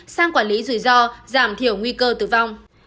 sang quản lý rủi ro giảm thiểu nguy cơ tử vong